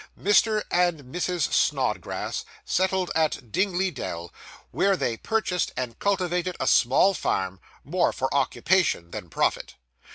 Mr. and Mrs. Snodgrass settled at Dingley Dell, where they purchased and cultivated a small farm, more for occupation than profit.